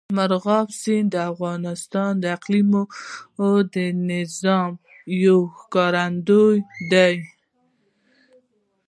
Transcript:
مورغاب سیند د افغانستان د اقلیمي نظام یو ښکارندوی دی.